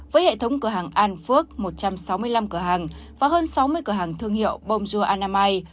với hệ thống cửa hàng an phước một trăm sáu mươi năm cửa hàng và hơn sáu mươi cửa hàng thương hiệu bongu annamay